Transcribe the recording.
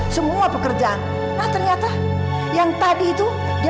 sampai jumpa di video selanjutnya